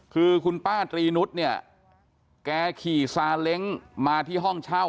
คือคุณป้าตรีนุษย์เนี่ยแกขี่ซาเล้งมาที่ห้องเช่า